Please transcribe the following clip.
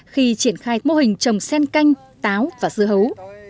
khi triển khai mô hình trồng sen canh táo và dưa hấu